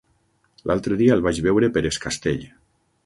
L'altre dia el vaig veure per Es Castell.